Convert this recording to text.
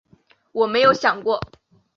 我没有想过